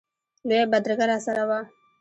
لویه بدرګه راسره وه.